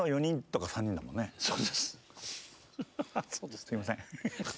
すいません。